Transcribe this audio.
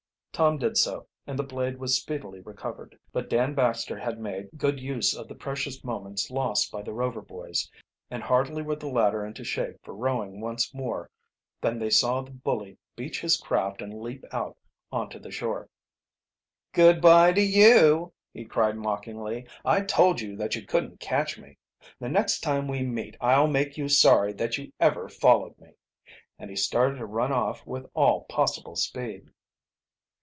Tom did so, and the blade was speedily recovered. But Dan Baxter had made good use of the precious moments lost by the Rover boys, and hardly were the latter into shape for rowing once more than they saw the bully beach his craft and leap out on the shore. "Good by to you!" he cried mockingly. "I told you that you couldn't catch me. The next time we meet I'll make you sorry that you ever followed me," and he started to run off with all possible speed.